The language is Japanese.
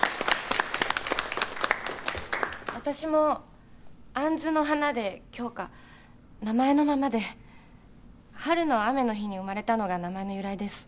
私も杏の花で杏花名前のままで春の雨の日に生まれたのが名前の由来です